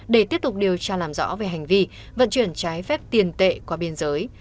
để tiếp tục điều tra làm rõ về hành vi vận chuyển trái phép tiền tệ qua biên giới